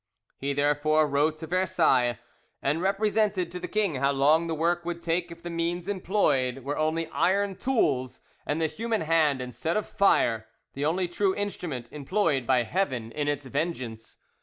He therefore wrote to Versailles, and represented to the king how long the work would take if the means employed were only iron tools and the human hand, instead of fire, the only true instrument employed by Heaven in its vengeance.